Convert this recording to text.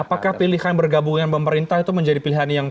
apakah pilihan bergabungan pemerintah itu menjadi pilihan yang